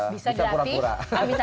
bisa di api